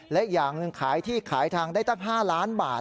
และอย่างหนึ่งขายที่ขายทางได้ตั้ง๕ล้านบาท